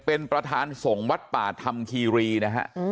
เป็นประธานส่งวัดป่าธรรมคีรีนะฮะ